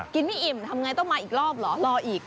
ไม่อิ่มทำไงต้องมาอีกรอบเหรอรออีก